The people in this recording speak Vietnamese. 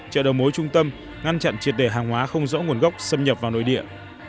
chợ đầu mối trung tâm ngăn chặn triệt đề hàng hóa không rõ nguồn gốc xâm nhập vào nội địa